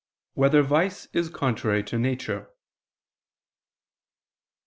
2] Whether Vice Is Contrary to Nature?